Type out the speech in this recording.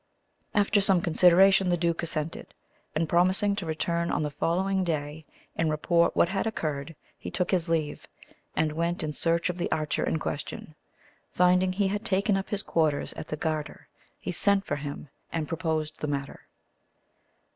After some consideration the duke assented, and, promising to return on the following day and report what had occurred he took his leave, and went in search of the archer in question. Finding he had taken up his quarters at the Garter, he sent for him and proposed the matter.